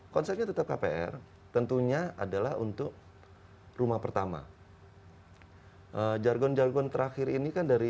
konsepnya tetap kpr tentunya adalah untuk rumah pertama jargon jargon terakhir ini kan dari